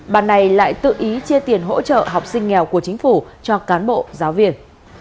bà này lại tự ý chia tiền hỗ trợ học sinh nghèo của chính phủ cho cán bộ giáo viên